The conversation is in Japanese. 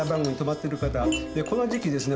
えーこの時期ですね